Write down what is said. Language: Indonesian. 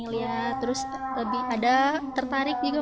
lihat terus lebih ada tertarik juga